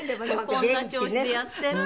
こんな調子でやっているの。